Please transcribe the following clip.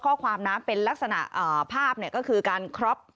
ข้อความน้ำเป็นลักษณะอ่าภาพเนี่ยก็คือการคร็อป